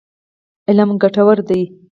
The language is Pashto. علم ګټور دی.